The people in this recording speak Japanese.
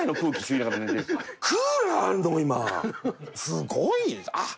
すごいあっ。